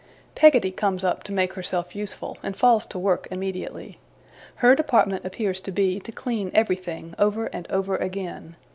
Peggotty comes up to make herself useful, and falls to work immediately. Her department appears to be, to clean everything over and over again.